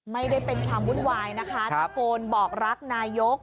ไม่ได้เป็นความวุ่นวายนะคะตะโกนบอกรักนายก